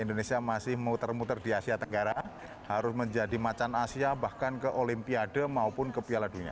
indonesia masih muter muter di asia tenggara harus menjadi macan asia bahkan ke olimpiade maupun ke piala dunia